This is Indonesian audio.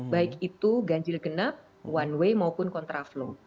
baik itu ganjil genap one way maupun contra flow